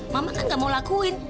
mama kan gak mau lakuin